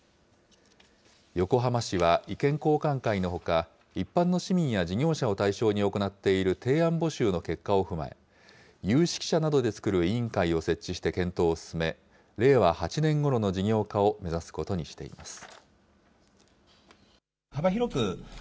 横浜市は意見交換会のほか、一般の市民や事業者を対象に行っている提案募集の結果を踏まえ、有識者などで作る委員会を設置して検討を進め、令和８年ごろの事業化を目指すことにしています。